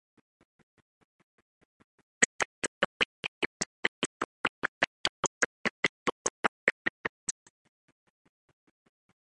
This flexibility caters to the needs of working professionals or individuals with other commitments.